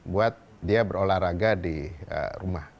buat dia berolahraga di rumah